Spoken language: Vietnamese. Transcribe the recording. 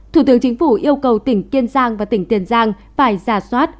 thủ tướng chính phủ yêu cầu tỉnh kiên giang và tỉnh tiền giang phải giả soát